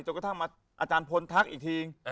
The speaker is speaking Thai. จนก็ทักมาอาจารย์โพนทักอีกที